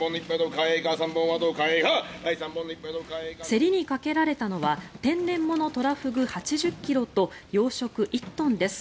競りにかけられたのは天然物トラフグ８０ｋｇと養殖１トンです。